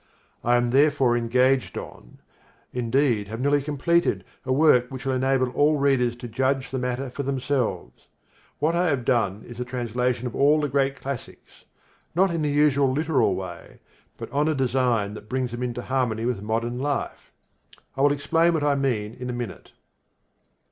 I am therefore engaged on, indeed have nearly completed, a work which will enable all readers to judge the matter for themselves. What I have done is a translation of all the great classics, not in the usual literal way but on a design that brings them into harmony with modern life. I will explain what I mean in a minute.